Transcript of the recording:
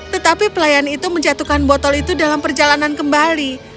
tetapi pelayan itu menjatuhkan botol itu dalam perjalanan kembali